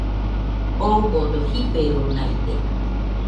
Ogodo jiferunaide